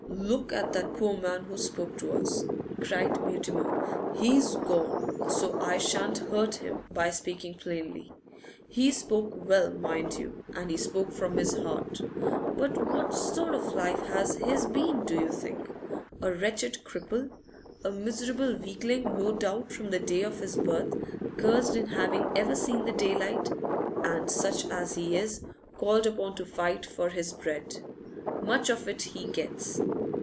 'Look at that poor man who spoke to us!' cried Mutimer. 'He's gone, so I shan't hurt him by speaking plainly. He spoke well, mind you, and he spoke from his heart; but what sort of a life has his been, do you think? A wretched cripple, a miserable weakling no doubt from the day of his birth, cursed in having ever seen the daylight, and, such as he is, called upon to fight for his bread. Much of it he gets!